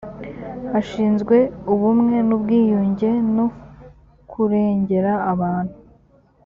ashinzwe ubumwe n ubwiyunge no kurengera abantu